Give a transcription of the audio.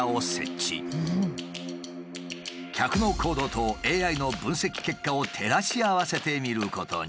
客の行動とＡＩの分析結果を照らし合わせてみることに。